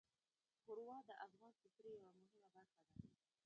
ښوروا د افغان سفرې یوه مهمه برخه ده.